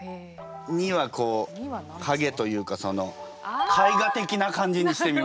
「二」はこう影というかその絵画的な感じにしてみました。